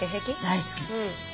大好き。